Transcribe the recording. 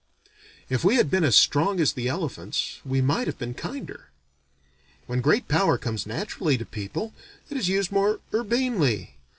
If we had been as strong as the elephants, we might have been kinder. When great power comes naturally to people, it is used more urbanely.